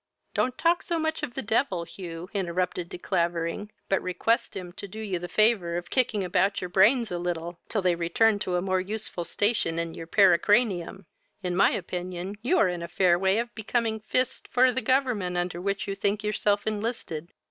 "Don't talk so much of the devil, Hugh, (interrupted De Clavering,) but request him to do you the favour of kicking about your brains a little, till they return to a more useful station in your pericranium: in my opinion, you are in a fair way of becoming fist for the government under which you think yourself enlisted."